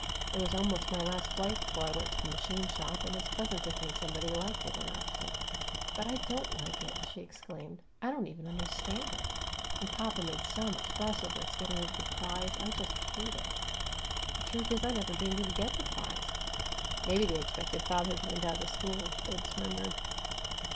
It was almost my last flight before I went to the machine shop, and it's pleasant to think somebody liked it enough to " "But I DON'T like it!" she exclaimed. "I don't even understand it and papa made so much fuss over its getting the prize, I just hate it! The truth is I never dreamed it'd get the prize." "Maybe they expected father to endow the school," Bibbs murmured.